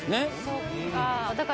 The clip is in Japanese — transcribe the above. そっか。